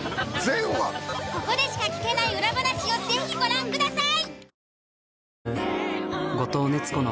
ここでしか聞けない裏話を是非ご覧ください。